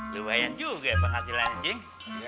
lu bayan juga penghasilan anjing